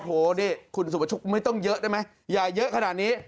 โหนี่คุณสุประชุกไม่ต้องเยอะได้ไหมอย่าเยอะขนาดนี้